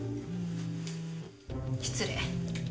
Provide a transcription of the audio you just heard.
失礼。